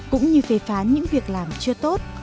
cũng như phê phán những việc làm chưa tốt